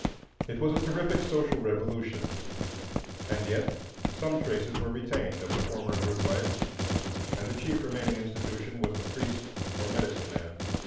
It was a terrific social revolution, and yet some traces were retained of the former group life, and the chief remaining institution was the Priest or Medicine man.